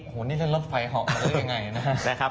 โอ้โฮนี่เรื่องรถไฟเหาะกันได้ยังไงนะครับ